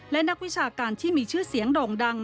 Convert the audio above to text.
และนักวิชาการที่มีชื่อเสียงด่องดังในทฤษฎี๒นครา